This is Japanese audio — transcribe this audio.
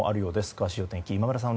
詳しいお天気、今村さん